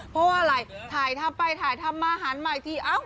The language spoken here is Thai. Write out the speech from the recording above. เพราะว่าอะไรถ่ายทำไปถ่ายทำมาหันมาอีกที